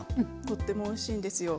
とってもおいしいんですよ。